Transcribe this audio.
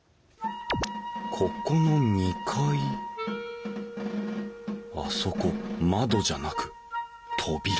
ここの２階あそこ窓じゃなく扉だ。